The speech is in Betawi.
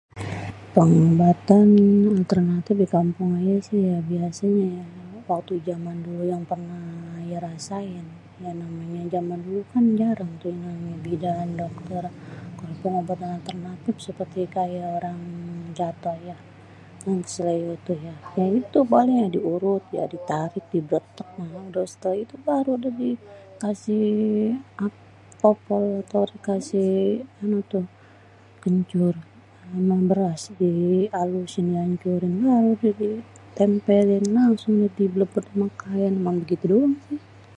Pengobatan alternatif di kampung ini ayé si biasenyé waktu dijaman dulu yang pernah ayé rasain, namanye jaman dulu kan jarang bidan, dokter. Pengobatan alternatif seperti kaya orang jatoh ya, itu banyak ya diurut di bletek trus lagi tar dikasi kencur ame beras dialusin, ditempeling langsung di bleket ama kaén uman gitu doang si.